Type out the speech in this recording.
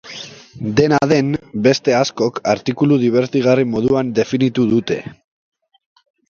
Dena den, beste askok artikulu dibertigarri moduan definitu dute.